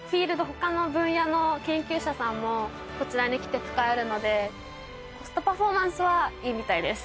他の分野の研究者さんもこちらに来て使えるのでコストパフォーマンスはいいみたいです。